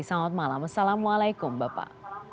selamat malam assalamualaikum bapak